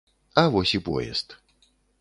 А вось і поезд.